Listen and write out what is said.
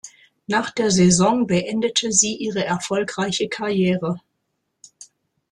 Nach der Saison beendete sie ihre erfolgreiche Karriere.